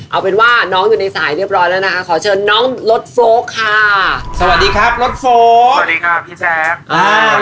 เอาเป็นว่าน้องอยู่ในสายเรียบร้อยแล้วนะคะขอเชิญน้องรถโฟลกค่ะสวัสดีครับรถโฟล์สวัสดีค่ะพี่แจ๊คอ่า